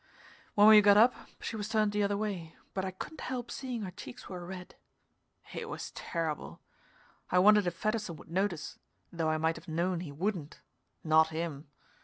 When we got up she was turned the other way, but I couldn't help seeing her cheeks were red. It was terrible. I wondered if Fedderson would notice, though I might have known he wouldn't not him.